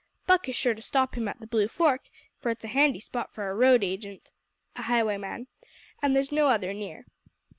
Buck is sure to stop him at the Blue Fork, for it's a handy spot for a road agent, [a highwayman] and there's no other near."